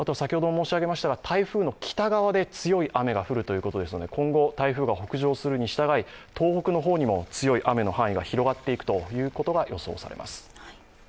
また、台風の北側で強い雨が降るということですので、今後、台風が北上するに従い、東北の方にも強い雨が移っていく可能性があります。